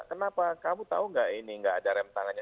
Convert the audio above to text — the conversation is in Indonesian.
kenapa kamu tahu nggak ini nggak ada rem tangannya